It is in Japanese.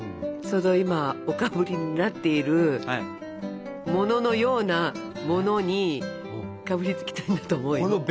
ちょうど今おかぶりになっているもののようなものにかぶりつきたいんだと思うよ。